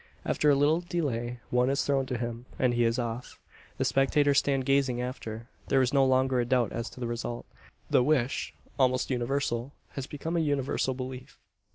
After a little delay one is thrown to him, and he is off. The spectators stand gazing after. There is no longer a doubt as to the result. The wish, almost universal, has become a universal belief.